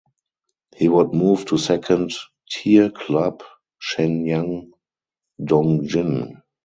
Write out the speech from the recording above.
He would move to second tier club Shenyang Dongjin.